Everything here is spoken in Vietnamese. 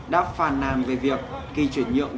đã phàn nàn về việc kỳ chuyển nhượng